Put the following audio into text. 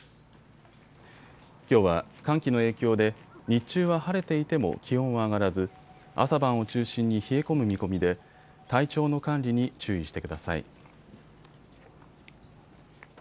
きょうは寒気の影響で日中は晴れていても気温は上がらず朝晩を中心に冷え込む見込みで体調の管理に注意してください。